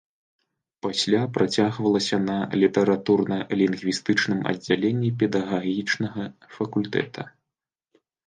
Пасля працягвалася на літаратурна-лінгвістычным аддзяленні педагагічнага факультэта.